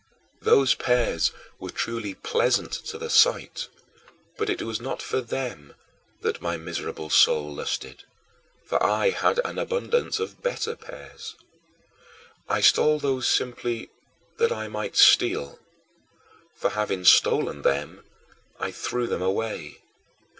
Those pears were truly pleasant to the sight, but it was not for them that my miserable soul lusted, for I had an abundance of better pears. I stole those simply that I might steal, for, having stolen them, I threw them away.